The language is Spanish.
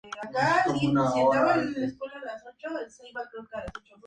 Normalmente el Presidente puede designar que Comisionado ejercerá el cargo de Presidente.